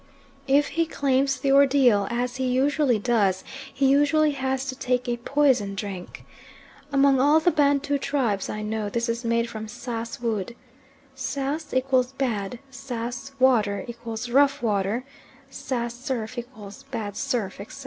If he claims the ordeal, as he usually does, he usually has to take a poison drink. Among all the Bantu tribes I know this is made from Sass wood (sass = bad; sass water = rough water; sass surf = bad surf, etc.)